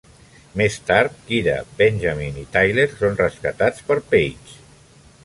Més tard Kyra, Benjamin i Tyler són rescatats per Paige.